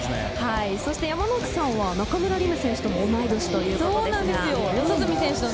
そして山之内さんは中村輪夢選手と同い年ということですが。